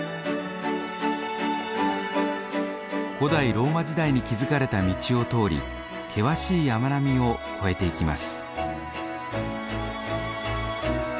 古代ローマ時代に築かれた道を通り険しい山並みを越えていきます。